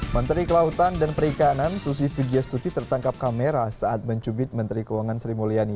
menteri kelautan dan perikanan susi fidya stuti tertangkap kamera saat mencubit menteri keuangan sri mulyani